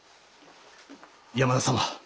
山田様。